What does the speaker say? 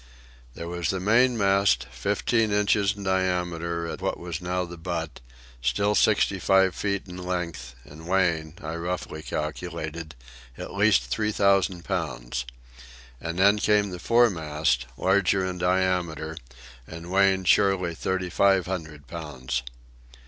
There was the mainmast, fifteen inches in diameter at what was now the butt, still sixty five feet in length, and weighing, I roughly calculated, at least three thousand pounds. And then came the foremast, larger in diameter, and weighing surely thirty five hundred pounds.